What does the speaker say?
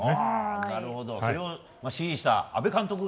なるほどそれを指示した阿部監督が。